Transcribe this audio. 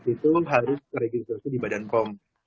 itu harus registrasi di badan pom